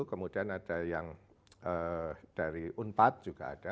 kemudian ada yang dari unpad juga ada